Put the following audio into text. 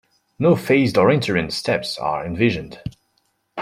No phased or interim steps are envisioned.